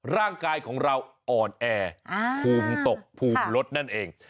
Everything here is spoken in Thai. ร่างกายของเราอ่อนแอภูมิตกภูมิลดนั่นเอง